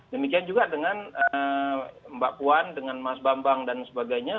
demikian juga dengan mbak puan dengan mas bambang dan sebagainya